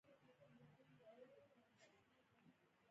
ازادي راډیو د د کار بازار ستر اهميت تشریح کړی.